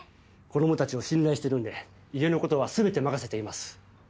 子どもたちを信頼しているんで家の事は全て任せています。